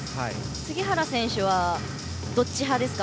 杉原選手はどっち派ですか。